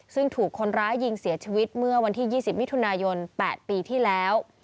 ซึ่งถูกคนร้ายยิงเสียชีวิตเมื่อวันที่๒๐มิถุนายน๘ปีที่แล้ว